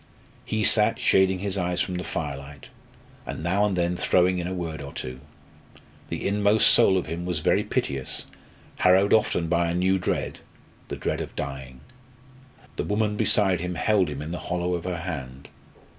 He sat shading his eyes from the firelight, and now and then throwing in a word or two. The inmost soul of him was very piteous, harrowed often by a new dread the dread of dying. The woman beside him held him in the hollow of her hand.